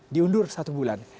diundur satu bulan